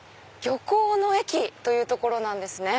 漁港の駅という所なんですね。